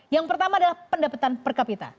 yang pertama adalah pendapatan per kapita